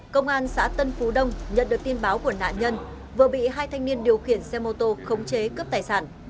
công an xã tân phú đông nhận được tin báo của nạn nhân vừa bị hai thanh niên điều khiển xe mô tô khống chế cướp tài sản